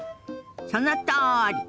そのとおり！